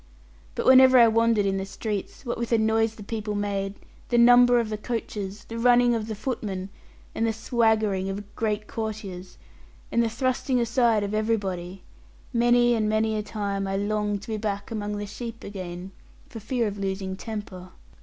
But whenever I wandered in the streets, what with the noise the people made, the number of the coaches, the running of the footmen, the swaggering of great courtiers, and the thrusting aside of everybody, many and many a time I longed to be back among the sheep again, for fear of losing temper.